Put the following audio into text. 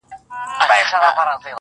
د جهاني غزل د شمعي په څېر ژبه لري!.